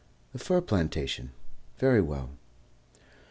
"The fir plantation? Very well."